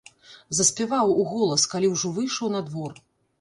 Заспяваў уголас, калі ўжо выйшаў на двор.